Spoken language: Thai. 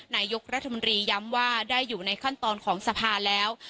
นายกรัฐมนตรีย้ำว่าได้อยู่ในขั้นตอนของสภาแล้ว